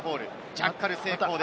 ジャッカル成功です。